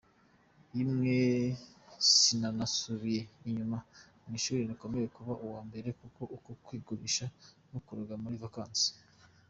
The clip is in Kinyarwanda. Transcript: Yemwe sinanasubiye inyuma mwishuli nakomeje kuba uwa mbere kuko uko kwigurisha nagukoraga muri vacances.